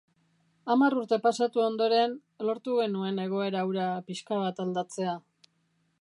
Hamar urte pasatu ondoren, lortu genuen egoera hura pixka bat aldatzea.